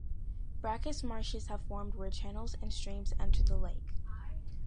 Brackish marshes have formed where channels and streams enter the lake.